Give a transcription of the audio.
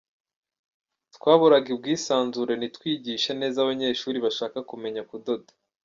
Twaburaga ubwisanzure ntitwigishe neza abanyeshuri bashaka kumenya kudoda.